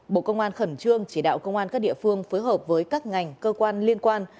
bộ công an khẩn trương chỉ đạo công an các địa phương phối hợp với các ngành cơ quan liên quan